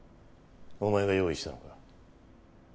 お前が用意したのか？